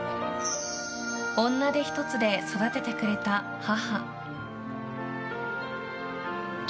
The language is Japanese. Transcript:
女手ひとつで育ててくれた母。